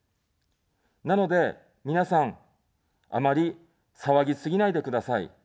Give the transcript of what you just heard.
なので、皆さん、あまり騒ぎすぎないでください。